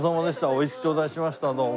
美味しく頂戴しましたどうも。